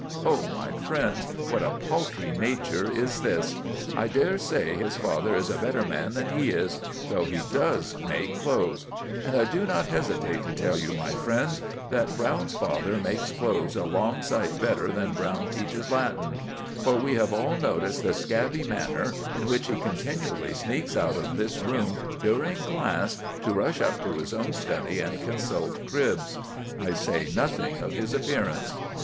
Oh, my friends, what a paltry nature is this. I dare say his father is a better man than he is, though he does make clothes; and I do not hesitate to tell you, my friends, that Browne's father makes clothes a long sight better than Browne teaches Latin; for we have all noticed the scabby manner in which he continually sneaks out of this room during class to rush up to his own study and consult cribs. I say nothing of his appearance.